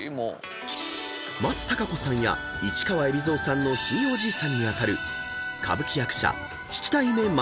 ［松たか子さんや市川海老蔵さんのひいおじいさんに当たる歌舞伎役者］